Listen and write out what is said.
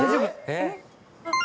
えっ？